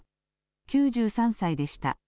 ９３歳でした。